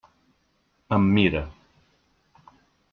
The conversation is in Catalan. Em mira.